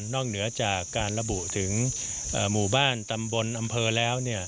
เหนือจากการระบุถึงหมู่บ้านตำบลอำเภอแล้ว